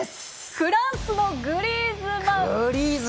フランスのグリーズマン！